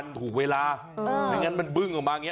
มันถูกเวลาไม่งั้นมันบึ้งออกมาอย่างนี้